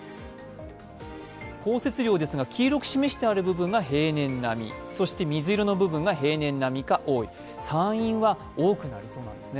降雪量ですが黄色く示してあるところが平年並み、そして水色の部分が平年並みか多い、山陰は多くなりそうなんですね。